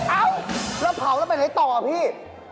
เอ้าแล้วเผาแล้วไปไหนต่อพี่